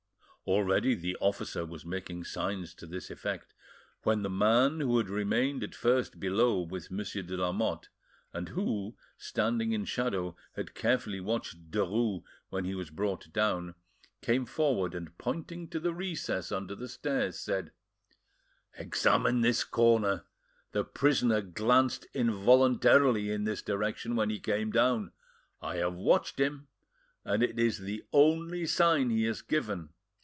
Already the officer was making signs to this effect, when the man who had remained at first below with Monsieur de Lamotte, and who, standing in shadow, had carefully watched Derues when he was brought down, came forward, and pointing to the recess under the stairs, said— "Examine this corner. The prisoner glanced involuntarily in this direction when he came down; I have watched him, and it is the only sign he has given.